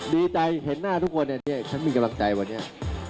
ดีใจเห็นหน้าทุกคนเนี่ยฉันมีกำลังใจวันนี้